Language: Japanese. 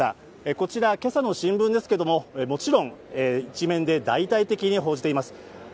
こちらは今朝の新聞ですけど、もちろん１面で大々的に報じています。